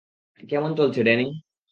কেমন চলছে, ড্যানি?